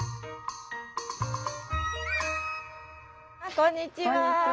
こんにちは！